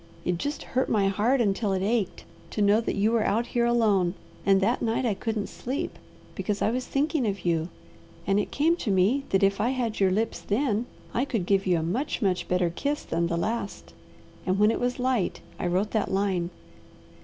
It just hurt my heart until it ached, to know that you were out here alone; and that night I couldn't sleep, because I was thinking of you, and it came to me that if I had your lips then I could give you a much, much better kiss than the last, and when it was light I wrote that line.